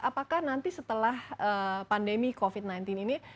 apakah nanti setelah pandemi covid sembilan belas ini